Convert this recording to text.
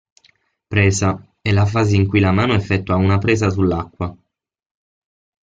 Presa: è la fase in cui la mano effettua una presa sull'acqua.